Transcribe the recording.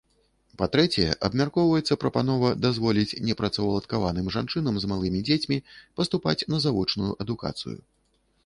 Па-трэцяе, абмяркоўваецца прапанова дазволіць непрацаўладкаваным жанчынам з малымі дзецьмі паступаць на завочную адукацыю.